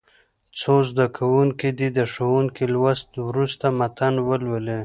څو زده کوونکي دې د ښوونکي لوستلو وروسته متن ولولي.